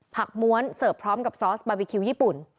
ม้วนเสิร์ฟพร้อมกับซอสบาร์บีคิวญี่ปุ่น